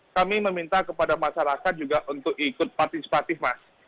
kami meminta kepada masyarakat juga untuk ikut partisipatif mas